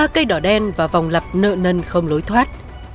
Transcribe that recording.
ba cây đỏ đen và vòng lập nợ nần không lối thoát